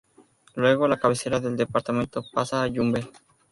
Luego, la cabecera del departamento pasa a Yumbel.